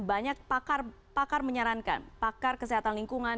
banyak pakar menyarankan pakar kesehatan lingkungan